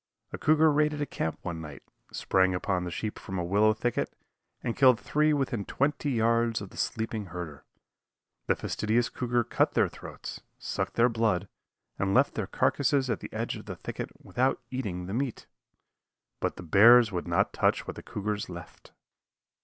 A cougar raided a camp one night, sprang upon the sheep from a willow thicket and killed three within twenty yards of the sleeping herder. The fastidious cougar cut their throats, sucked their blood and left their carcasses at the edge of the thicket without eating the meat. But the bears would not touch what the cougar left.